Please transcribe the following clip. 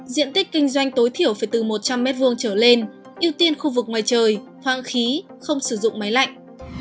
diện tích kinh doanh tối thiểu phải từ một trăm linh m hai trở lên ưu tiên khu vực ngoài trời hoang khí không sử dụng máy lạnh